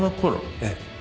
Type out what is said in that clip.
ええ。